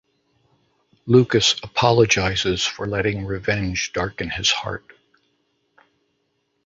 Lukas apologizes for letting revenge darken his heart.